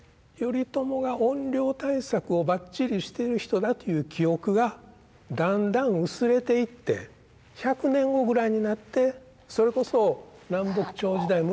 頼朝が怨霊対策をばっちりしている人だという記憶がだんだん薄れていって１００年後ぐらいになってそれこそ南北朝時代